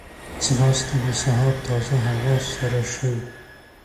ځغاسته د سهار تازه هوا سره ښه وي